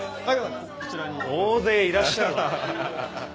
・大勢いらっしゃるな。